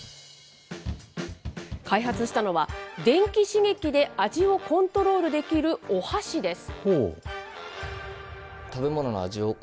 開発したのは、電気刺激で味をコントロールできるお箸です。